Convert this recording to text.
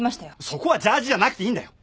そこはジャージーじゃなくていいんだよ。